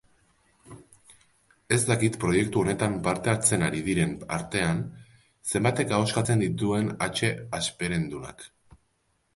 Ez dakit proiektu honetan parte hartzen ari direnen artean zenbatek ahoskatzen dituen hatxe hasperendunak.